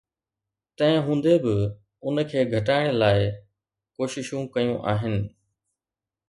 تنهن هوندي به، ان کي گهٽائڻ لاء ڪوششون ڪيون آهن